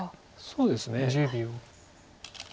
そうですね。